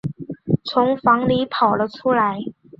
从房里跑了出来